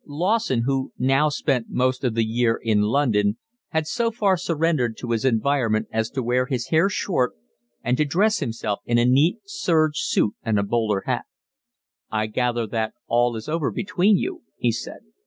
Lawson, who now spent most of the year in London, had so far surrendered to his environment as to wear his hair short and to dress himself in a neat serge suit and a bowler hat. "I gather that all is over between you," he said.